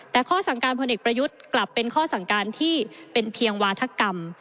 แต่ข้อสั่งการพลเอกประยุทธ์กลับเป็นข้อสั่งการที่เป็นเพียงวาธกรรม